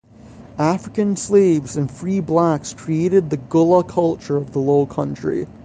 African slaves and free blacks created the Gullah culture of the Lowcountry.